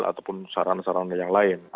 ataupun sarana sarana yang lain